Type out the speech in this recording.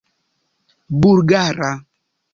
bulgara